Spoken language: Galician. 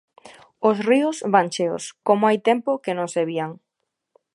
Os ríos van cheos, como hai tempo que non se vían.